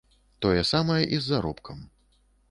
Тое самае і з заробкам.